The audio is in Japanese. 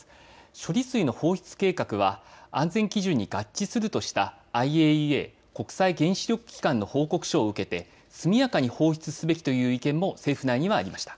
処理水の放出計画は安全基準に合致するとしたＩＡＥＡ国際原子力機関の報告書を受けて速やかに放出すべきという意見も政府内にありました。